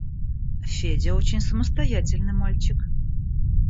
Федя очень самостоятельный мальчик.